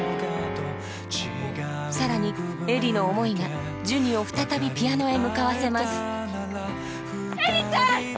更に映里の思いがジュニを再びピアノへ向かわせます映里ちゃん！